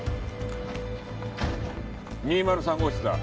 ２０３号室だ。